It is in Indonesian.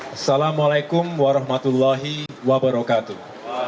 assalamualaikum warahmatullahi wabarakatuh